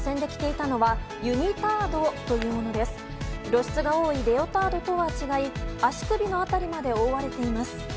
露出が多いレオタードとは違い足首の辺りまで覆われています。